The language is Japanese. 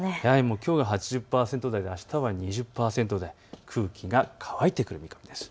きょうが８０％台であしたは２０％台、空気が乾いてくる見込みです。